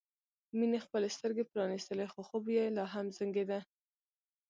مينې خپلې سترګې پرانيستلې خو خوب یې لا هم زنګېده